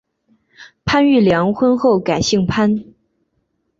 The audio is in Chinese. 潘玉良婚后改姓潘。